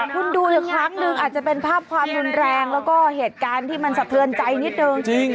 คุณดูอีกครั้งหนึ่งอาจจะเป็นภาพความรุนแรงแล้วก็เหตุการณ์ที่มันสะเทือนใจนิดนึง